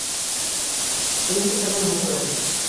Уйынсыҡтар ғына һатыла бит.